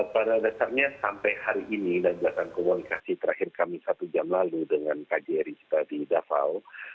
pada dasarnya sampai hari ini dan berdasarkan komunikasi terakhir kami satu jam lalu dengan kjri kita di davao